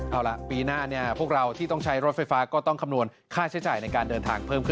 เอาล่ะปีหน้าพวกเราที่ต้องใช้รถไฟฟ้าก็ต้องคำนวณค่าใช้จ่ายในการเดินทางเพิ่มขึ้น